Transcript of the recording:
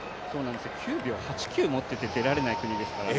９秒８９持ってて出られない国ですからね。